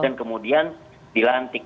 dan kemudian dilantik